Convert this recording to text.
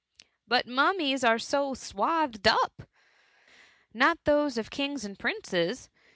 ^ But mummies are so swathed up. " Not those of kings and princes.